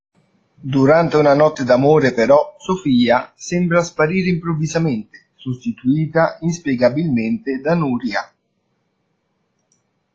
Durante una notte d'amore, però, Sofia sembra sparire improvvisamente, sostituita inspiegabilmente da Nuria.